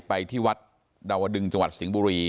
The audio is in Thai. ไปที่วัดดาวดึงจังหวัดสิงห์บุรี